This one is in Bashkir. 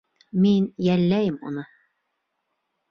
Мин йәлләйем уны...